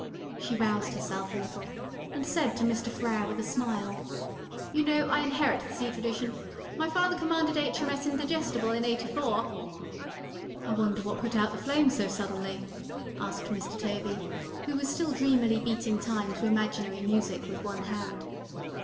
She roused herself a little, and said to Mr. Frere with a smile: "You know, I inherit the sea tradition. My father commanded H.M.S. Indigestible in '84." "I wonder what put out the flame so suddenly?" asked Mr. Tovey, who was still dreamily beating time to imaginary music with one hand.